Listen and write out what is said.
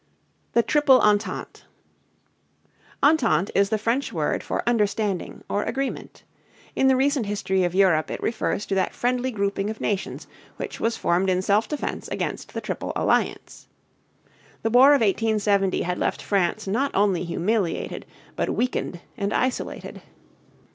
THE TRIPLE ENTENTE. Entente (ahn tahnt´) is the French word for understanding or agreement. In the recent history of Europe it refers to that friendly grouping of nations which was formed in self defense against the Triple Alliance. The war of 1870 had left France not only humiliated but weakened and isolated.